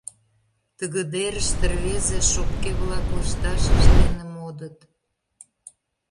Тыгыдерыште рвезе шопке-влак лышташышт дене модыт.